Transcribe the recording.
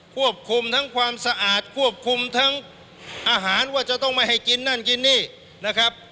ควบคุมทั้งความสะอาดควบคุมทั้งอาหารว่าจะต้องไม่ให้กินนั่นกินนี่นะครับ